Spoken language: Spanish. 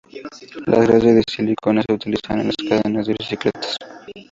Las grasas de silicona se utilizan en las cadenas de bicicletas.